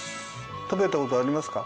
食べた事ありますか？